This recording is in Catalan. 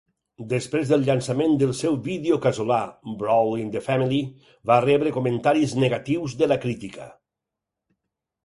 Després del llançament del seu vídeo casolà, "Brawl in the Family" va rebre comentaris negatius de la crítica.